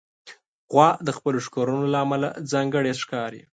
غوا د خپلو ښکرونو له امله ځانګړې ښکاري.